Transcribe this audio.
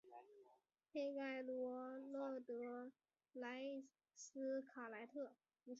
佩盖罗勒德莱斯卡莱特。